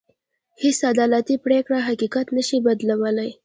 هېڅ عدالتي پرېکړه حقيقت نه شي بدلولی.